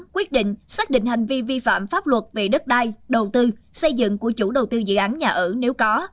quyết định xác định hành vi vi phạm pháp luật về đất đai đầu tư xây dựng của chủ đầu tư dự án nhà ở nếu có